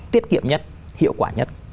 tiết kiệm nhất hiệu quả nhất